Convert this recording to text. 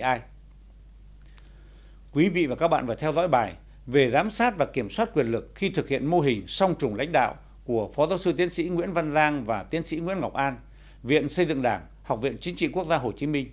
thưa quý vị và các bạn vừa theo dõi bài về giám sát và kiểm soát quyền lực khi thực hiện mô hình song trùng lãnh đạo của phó giáo sư tiến sĩ nguyễn văn giang và tiến sĩ nguyễn ngọc an viện xây dựng đảng học viện chính trị quốc gia hồ chí minh